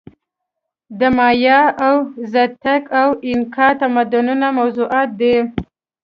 د مایا او ازتک او اینکا تمدنونه یې موضوعات دي.